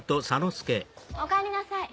おかえりなさい！